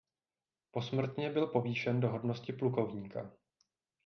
Posmrtně byl povýšen do hodnosti plukovníka.